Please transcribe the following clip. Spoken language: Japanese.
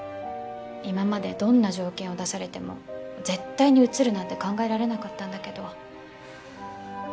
今までどんな条件を出されても絶対に移るなんて考えられなかったんだけど。